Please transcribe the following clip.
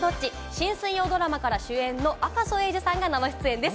新水曜ドラマから主演の赤楚衛二さんが生出演です。